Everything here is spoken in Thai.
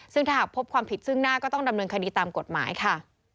ซึ่งถ้าหากพบความผิดซึ่งหน้าก็ต้องดำเนินคดีตามกฎหมายค่ะ